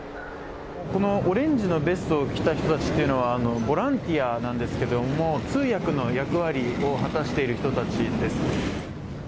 このオレンジのベストを着た人たちというのはボランティアなんですけれども通訳の役割を果たしている人たちです。